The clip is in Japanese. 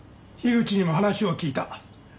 樋口にも話は聞いた。